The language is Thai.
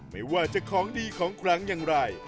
ไม่ว่าจะของดีของคลังอย่างไร